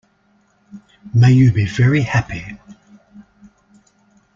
May you be very happy!